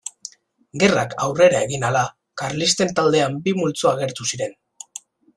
Gerrak aurrera egin ahala, karlisten taldean bi multzo agertu ziren.